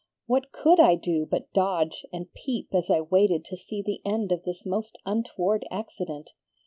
What COULD I do but dodge and peep as I waited to see the end of this most untoward accident?